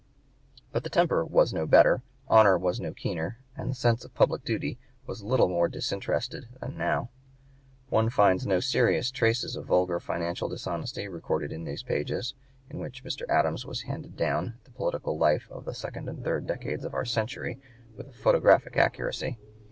But the temper was no better, honor was no keener, the sense of public duty was little more disinterested then than now. One finds no serious traces of vulgar financial dishonesty recorded in these pages, in which Mr. Adams has handed down the political life of the second and third decades of our century with a photographic accuracy.